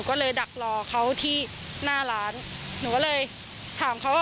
ก็เลยดักรอเขาที่หน้าร้านหนูก็เลยถามเขาว่า